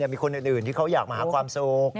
มีคนอื่นที่เขาอยากมาหาความสุข